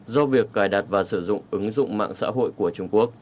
do việc cài đặt và sử dụng ứng dụng mạng xã hội của trung quốc